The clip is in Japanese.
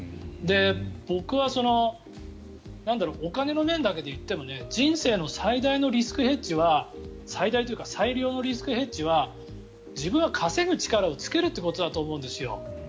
僕はお金の面だけで言っても人生の最大のリスクヘッジは最大というか最良のリスクヘッジは自分で稼ぐ力をつけるということだと思うんですよ。